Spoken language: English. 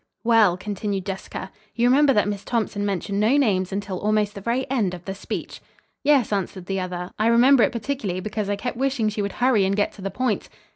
"Well," continued Jessica, "you remember that Miss Thompson mentioned no names until almost the very end of the speech!" "Yes," answered the other; "I remember it particularly, because I kept wishing she would hurry and get to the point."